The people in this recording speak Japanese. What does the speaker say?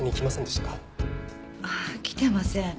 ああ来てません。